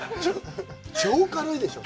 超軽いでしょ？